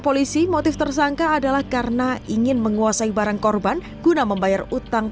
polisi motif tersangka adalah karena ingin menguasai barang korban guna membayar utang